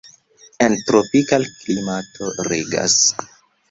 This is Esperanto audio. En tropika klimato regas.